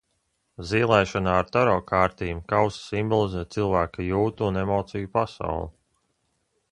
Zīlēšanā ar taro kārtīm kausi simbolizē cilvēka jūtu un emociju pasauli.